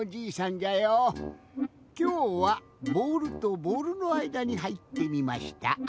きょうはボールとボールのあいだにはいってみました。